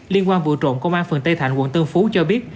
liên quan vụ trộm công an phường tây thạnh quận tân phú cho biết